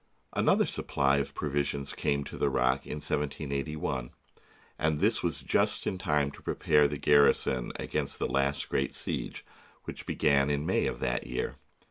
Another supply of provisions came to the rock in 1781, and this was just in time to prepare the garrison against the last great siege, which began in May of that year.